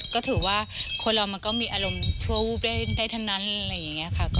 ก็ถือว่าคนเรามันก็มีอารมณ์ชั่ววูบได้ทั้งนั้นอะไรอย่างนี้ค่ะ